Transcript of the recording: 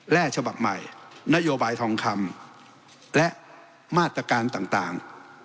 ฉบับใหม่นโยบายทองคำและมาตรการต่าง